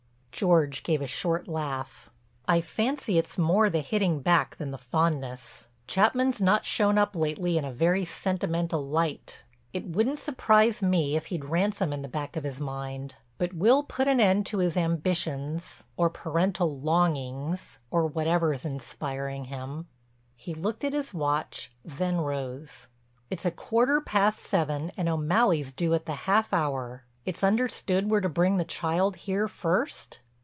George gave a short laugh: "I fancy it's more the hitting back than the fondness. Chapman's not shown up lately in a very sentimental light. It wouldn't surprise me if he'd ransom in the back of his mind. But we'll put an end to his ambitions or parental longings or whatever's inspiring him." He looked at his watch, then rose. "It's a quarter past seven and O'Malley's due at the half hour. It's understood we're to bring the child here first?"